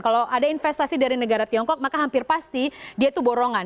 kalau ada investasi dari negara tiongkok maka hampir pasti dia itu borongan